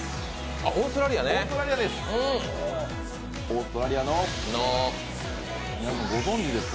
オーストラリアです。